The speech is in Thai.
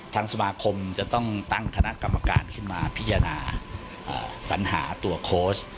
ทางสมาคมจะต้องตั้งคณะกรรมการขึ้นมาพิจารณาสัญหาตัวโค้ช